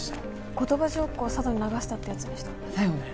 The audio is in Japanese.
・後鳥羽上皇を佐渡に流したってやつにしただよね？